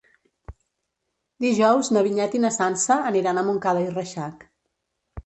Dijous na Vinyet i na Sança aniran a Montcada i Reixac.